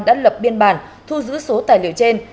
đã lập biên bản thu giữ số tài liệu trên